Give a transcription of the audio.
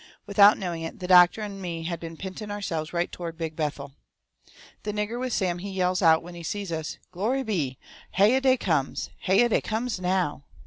Without knowing it the doctor and me had been pinting ourselves right toward Big Bethel. The nigger with Sam he yells out, when he sees us: "Glory be! HYAH dey comes! Hyah dey comes NOW!"